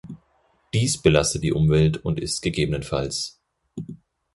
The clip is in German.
Dies belastet die Umwelt und ist ggf.